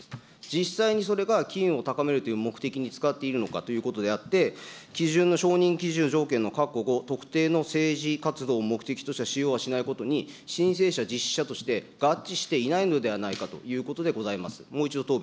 実際にそれが機運を高めるという目的に使っているのかということであって、基準の、承認基準条件の特定の政治活動を目的とした使用はしないことに、２、申請者、実施者として合致していないのではないかということでございます。